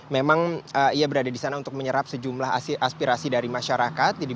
memang ia berada di sana untuk menyerap sejumlah aspirasi dari masyarakat